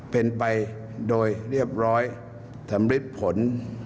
เป็นไปโดยเรียบร้อยสำริดผล